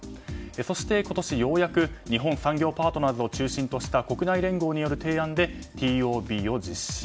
そして、今年ようやく日本産業パートナーズを中心とした国内連合による提案でＴＯＢを実施。